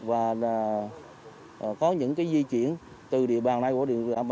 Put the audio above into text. và có những di chuyển từ địa bàn này đến địa bàn khác không đúng với chủ trương của thành phố